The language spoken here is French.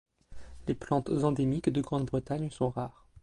Les plantes endémiques de Grande-Bretagne sont rares.